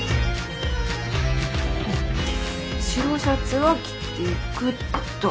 白シャツは着ていくと。